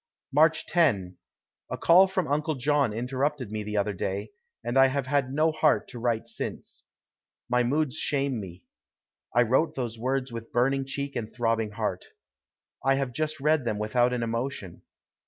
March 10. A call from Uncle John interrupted me the other day, and I have had no heart to write since. My moods shame me. I wrote those words with burning cheek and throbbing heart. I have just read them without an emotion.